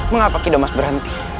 mengapa kidomas berhenti